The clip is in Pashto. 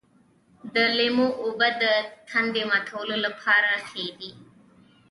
د لیمو اوبه د تندې ماتولو لپاره ښې دي.